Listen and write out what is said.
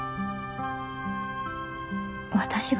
私が？